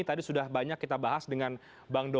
tadi sudah banyak kita bahas dengan bang doli